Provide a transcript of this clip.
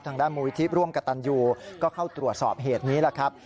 ทางด้านมูลวิธีร่วมกับตันยูก็เข้าตรวจสอบเหตุนี้ล่ะครับ